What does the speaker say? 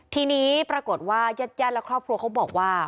ทีนี้ปรากฏว่าญาติและครอบครัวเขาบอกว่า